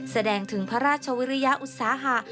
แสดงถึงพระราชวิริยอุตสาหะ